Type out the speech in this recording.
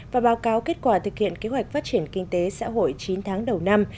và báo cáo kết quả thực hiện kế hoạch phát triển kinh tế xã hội chín tháng đầu năm